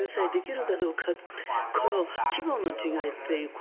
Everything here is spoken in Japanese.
救済できるかどうかこの規模の違いという。